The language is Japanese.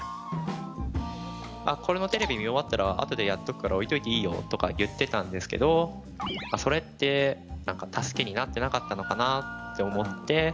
テレビ見終わったらあとでやっとくから置いといていいよとか言ってたんですけどそれってなんか助けになってなかったのかなって思って。